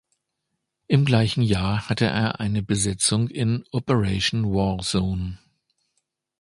Im gleichen Jahr hatte er eine Besetzung in "Operation Warzone".